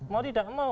mau tidak mau